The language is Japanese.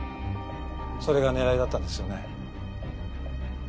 それが狙いだったんですよね？